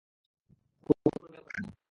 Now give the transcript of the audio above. কুকুর ম্যাঁও ম্যাঁও করে না।